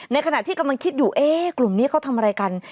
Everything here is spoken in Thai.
ขณะที่กำลังคิดอยู่เอ๊ะกลุ่มนี้เขาทำอะไรกัน